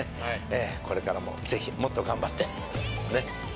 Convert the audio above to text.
ええこれからもぜひもっと頑張ってねっ。